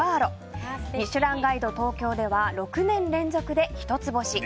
「ミシュランガイド東京」では６年連続で一つ星。